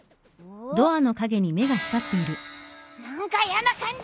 何かやな感じ！